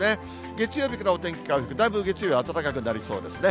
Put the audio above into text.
月曜日からお天気回復、だいぶ月曜日、暖かくなりそうですね。